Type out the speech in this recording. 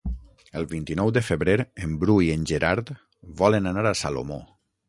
El vint-i-nou de febrer en Bru i en Gerard volen anar a Salomó.